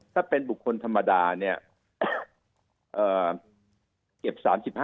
ถ้าเป็นบุคคลธรรมดาเนี่ยเก็บ๓๕